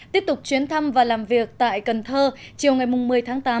tiếp tục chuyến thăm và làm việc tại cần thơ chiều ngày một mươi tháng tám